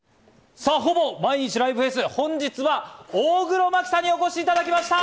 さぁ、ほぼ毎日ＬＩＶＥフェス、本日は大黒摩季さんにお越しいただきました。